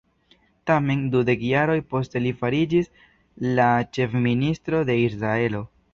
Tamen, dudek jaroj poste li fariĝis la ĉef-ministro de Israelo.